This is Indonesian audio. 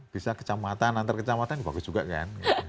bisa kecamatan antar kecamatan bagus juga kan